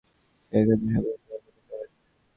এ ক্ষেত্রে আন্তর্জাতিক সম্প্রদায়েরও ভূমিকা রয়েছে।